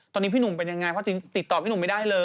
ตอนนี้พี่หนุ่มเป็นยังไงเพราะถึงติดต่อพี่หนุ่มไม่ได้เลย